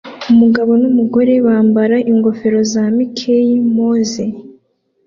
Umugabo numugore bambara ingofero za Mickey Mouse